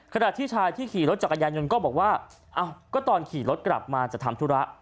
ขณะที่ชายที่ขี่รถจักรยานยนต์ก็บอกว่าก็ตอนขี่รถกลับมาจะทำธุระ